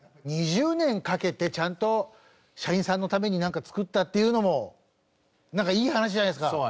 ２０年かけてちゃんと社員さんのために作ったっていうのもなんかいい話じゃないですか。